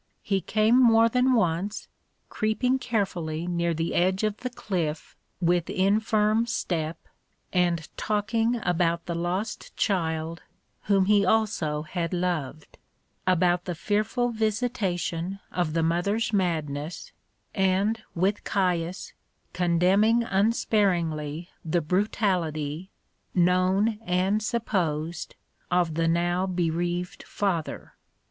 He came more than once, creeping carefully near the edge of the cliff with infirm step, and talking about the lost child, whom he also had loved, about the fearful visitation of the mother's madness, and, with Caius, condemning unsparingly the brutality, known and supposed, of the now bereaved father.